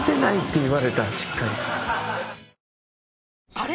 あれ？